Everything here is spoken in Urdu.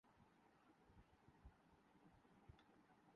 کالم بھی مکمل کرنا ہے۔